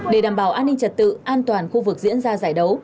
để đảm bảo an ninh trật tự an toàn khu vực diễn ra giải đấu